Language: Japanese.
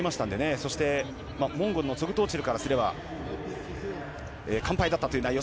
そしてモンゴルのツォグト・オチルからすれば完敗だったという内容。